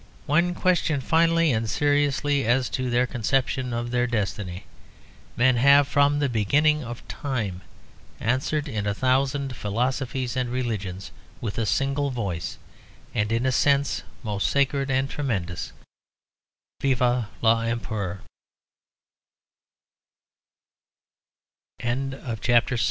When questioned finally and seriously as to their conception of their destiny, men have from the beginning of time answered in a thousand philosophies and religions with a single voice and in a sense most sacred and tremendous, Vive l'Empereur. CHARLES II There a